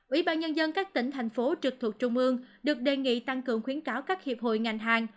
ủy ban nhân dân các tỉnh thành phố trực thuộc trung ương được đề nghị tăng cường khuyến cáo các hiệp hội ngành hàng